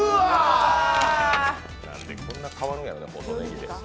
なんでこんなに変わるんやろな、細ねぎだけで。